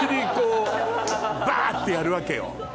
バ！ってやるわけよ。